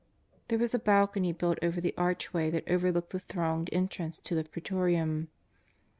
There was a balcony built over the archway that over looked the thronged entrance to the PrEetorium.